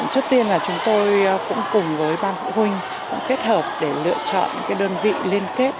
chất tiên là chúng tôi cũng cùng với ban phụ huynh kết hợp để lựa chọn cái đơn vị liên kết